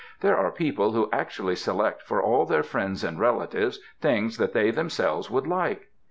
There are people who actually select for all their friends and relatives things that they themselves would like.